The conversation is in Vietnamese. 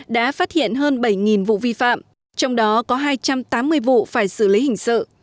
đã phát hiện hơn bảy vụ vi phạm trong đó có hai trăm tám mươi vụ phải xử lý hình sự